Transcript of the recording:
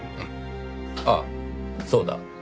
あっそうだ。